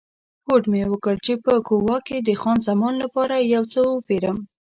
هوډ مې وکړ چې په کووا کې د خان زمان لپاره یو څه وپیرم.